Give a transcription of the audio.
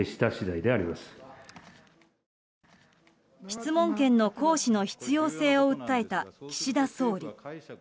質問権の行使の必要性を訴えた岸田総理。